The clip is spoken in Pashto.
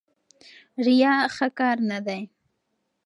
ریا ښه کار نه دی.